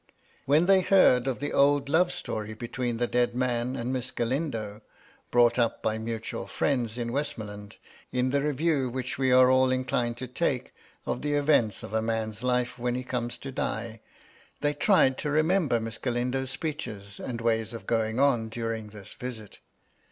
When they heard of the old lovenstory between the dead man and Miss Gralindo, — ^brought up by mutual firiends in Westmoreland, in the review which we are all inclined to take of the events of a man's life when he comes to die, — ^they tried to remember Miss Gralindo's speeches and ways of going on during this visit.